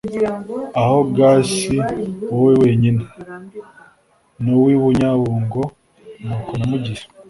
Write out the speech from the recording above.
aho ga si wowe wenyine, n’uw’i bunyabungo ni uko namugize”.